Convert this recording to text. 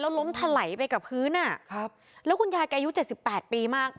แล้วล้มถล่ายไปกับพื้นอ่ะครับแล้วขุณยายแกยู้เจ็บแปดปีมาก